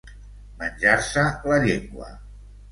Menjar-se la llengua.